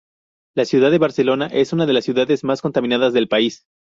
La ciudad de Barcelona es una de las ciudades más contaminadas del país.